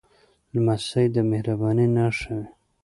لمسی د مهربانۍ نښه وي.